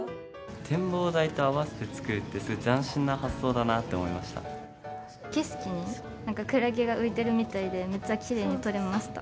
展望台と併せてつくるって、景色になんかクラゲが浮いてるみたいで、めっちゃきれいに撮れました。